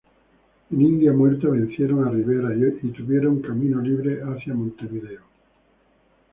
En India Muerta vencieron a Rivera y tuvieron camino libre hacia Montevideo.